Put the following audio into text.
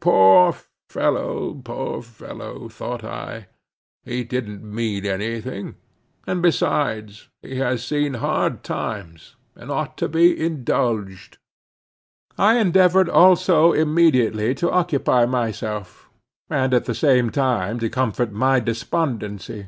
Poor fellow, poor fellow! thought I, he don't mean any thing; and besides, he has seen hard times, and ought to be indulged. I endeavored also immediately to occupy myself, and at the same time to comfort my despondency.